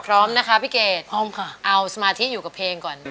พร้อมนะคะพี่เกดพร้อมค่ะเอาสมาธิอยู่กับเพลงก่อน